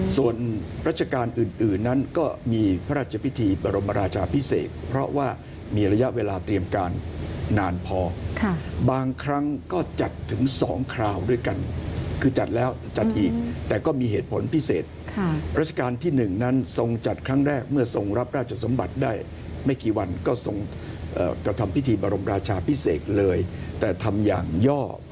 ส่วนราชการอื่นนั้นก็มีพระราชพิธีบรมราชาพิเศษเพราะว่ามีระยะเวลาเตรียมการนานพอบางครั้งก็จัดถึง๒คราวด้วยกันคือจัดแล้วจัดอีกแต่ก็มีเหตุผลพิเศษรัชกาลที่๑นั้นทรงจัดครั้งแรกเมื่อทรงรับราชสมบัติได้ไม่กี่วันก็ทรงกระทำพิธีบรมราชาพิเศษเลยแต่ทำอย่างย่อ